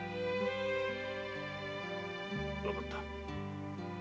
分かった。